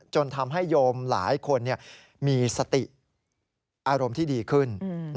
จนทำให้โยมหลายคนมีสติอารมณ์ที่ดีขึ้น